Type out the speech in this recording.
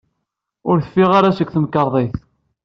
Ur teffiɣ ara seg temkarḍit.